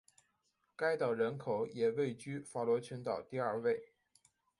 该岛人口也位居法罗群岛第二位。